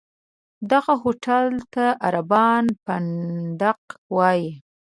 دغه هوټل ته عربان فندق وایي.